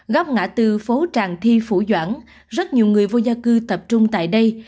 góc ngã tư phố tràng thi phủ doãn rất nhiều người vô gia cư tập trung tại đây